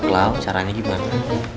klau caranya gimana